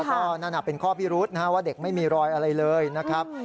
แล้วก็นั่นเป็นข้อพิรุษว่าเด็กไม่มีรอยอะไรเลยนะครับ